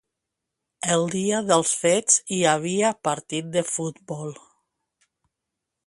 El dia dels fets hi havia partit de futbol.